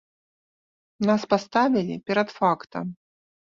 Нас паставілі перад фактам.